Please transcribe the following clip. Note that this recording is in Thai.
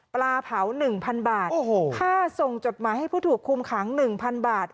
ปลาเผา๑๐๐๐บาทค่าส่งจดหมายให้ผู้ถูกคุมขัง๑๐๐บาท